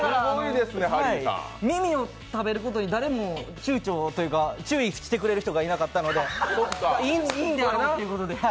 耳を食べることに誰も注意してくれる人がいなかったのでいいんであろうということで。